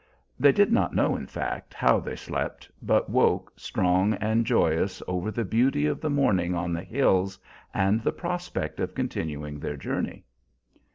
They did not know, in fact, how they slept, but woke, strong and joyous over the beauty of the morning on the hills, and the prospect of continuing their journey.